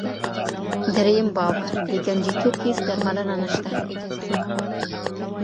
دریم باور: د ګنجیتوب هېڅ درملنه نشته.